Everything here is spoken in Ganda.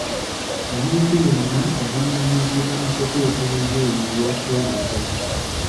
Omuntu yenna ovunaanyizibwa okutuukiriza ebyo by'osuubiza.